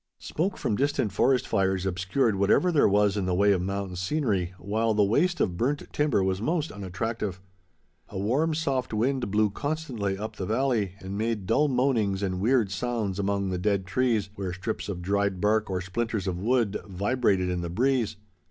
Smoke from distant forest fires obscured whatever there was in the way of mountain scenery, while the waste of burnt timber was most unattractive. A warm, soft wind blew constantly up the valley and made dull moanings and weird sounds among the dead trees, where strips of dried bark or splinters of wood vibrated in the breeze.